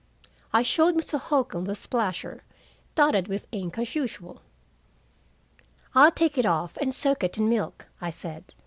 I showed Mr. Holcombe the splasher, dotted with ink as usual. "I'll take it off and soak it in milk," I said.